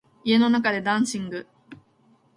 家の中でダンシング